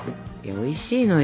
おいしいのよ。